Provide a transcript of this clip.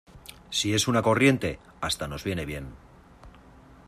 si es una corriente, hasta nos viene bien